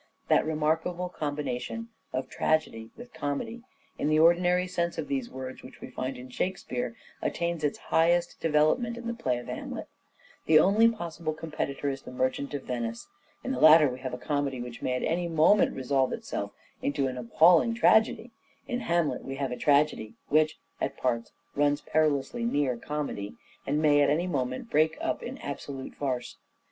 That remarkable combination of tragedy with comedy, in the ordinary sense of these words, which we find in Shakespeare attains its highest development in the play of " Hamlet." The only possible competitor is " The Merchant of Venice." In the latter we have a comedy which may at any moment resolve itself into an appalling tragedy. In " Hamlet " we have a tragedy which, at parts, runs perilously near comedy, and may at any moment break up in absolute farce.